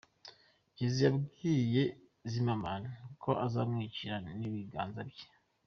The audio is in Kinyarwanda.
Jay-z yabwiye Zimmerman ko azamwiyicira n’ibiganza bye.